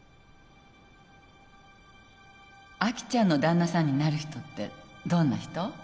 アキちゃんの旦那さんになる人ってどんな人？